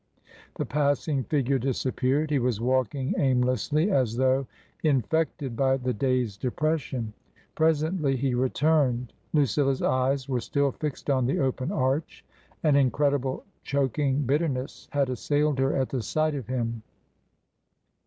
The passing figure disappeared. He was walking aim lessly, as though infected by the day's depression. Pres ently he returned. Lucilla's eyes were still fixed on the open arch; an incredible choking bitterness had as sailed her at the sight of him.